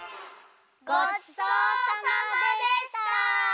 ごちそうさまでした！